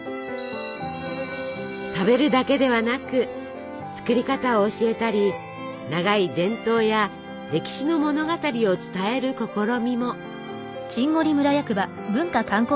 食べるだけではなく作り方を教えたり長い伝統や歴史の物語を伝える試みも。